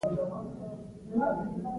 زه له خپل دفتر څخه آنلاین یم!